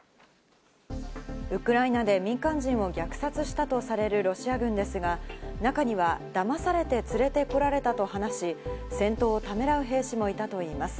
ウクライナで民間人を虐殺したとされるロシア軍ですが、中には騙されて連れて来られたと話し、戦闘をためらう兵士もいたといいます。